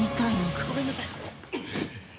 ごめんなさい。